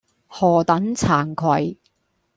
何等慚愧。